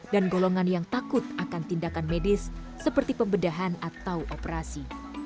dan golongan yang takut akan tindakan medis seperti pembedahan atau operasi